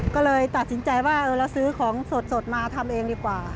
ก็เลยตัดสินใจว่าเราซื้อของสดมาทำเองดีกว่า